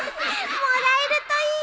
もらえるといいね。